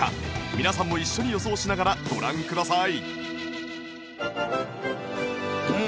皆さんも一緒に予想しながらご覧ください